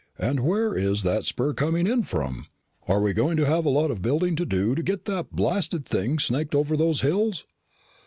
And where is that spur coming in from? Are we going to have a lot of building to do to get that blasted thing snaked over those hills?"